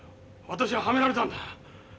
私ははめられたんだ。